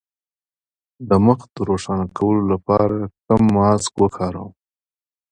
د مخ د روښانه کولو لپاره کوم ماسک وکاروم؟